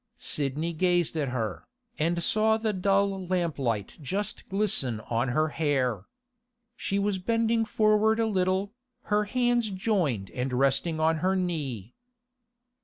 Sidney gazed at her, and saw the dull lamplight just glisten on her hair. She was bending forward a little, her hands joined and resting on her knee.